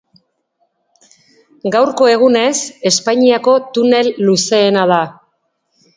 Gaurko egunez, Espainiako tunel luzeena da.